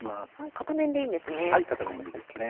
片面でいいですね。